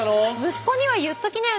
息子には言っときなよ